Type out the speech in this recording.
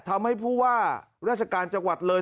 ทำให้ผู้ว่าราชการจังหวัดเลย